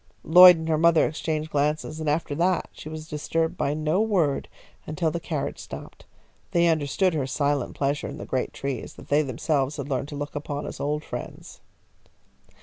Lloyd and her mother exchanged glances, and after that she was disturbed by no word until the carriage stopped. They understood her silent pleasure in the great trees that they themselves had learned to look upon as old friends.